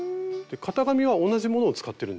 型紙は同じものを使ってるんですか？